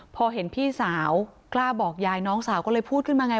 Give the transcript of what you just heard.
พอเห็นพี่สาวกล้าบอกยายน้องสาวก็เลยพูดขึ้นมาไง